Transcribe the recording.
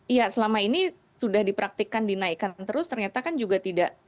iya selama ini sudah dipraktikkan dinaikkan terus ternyata kan juga tidak